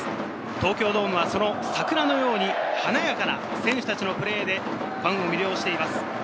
東京ドームはその桜のように華やかな選手たちのプレーで、ファンを魅了しています。